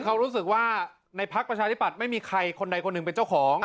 เขารู้สึกว่าในพักประชาธิปัตย์ไม่มีใครคนใดคนหนึ่งเป็นเจ้าของ